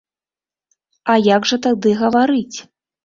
А як жа тады гаварыць?